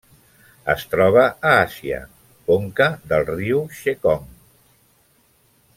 Es troba a Àsia: conca del riu Xe Kong.